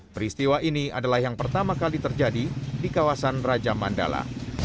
peristiwa ini adalah yang pertama kali terjadi di kawasan raja mandala